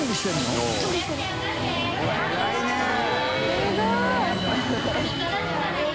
すごい。